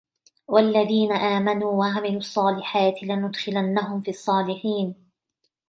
والذين آمنوا وعملوا الصالحات لندخلنهم في الصالحين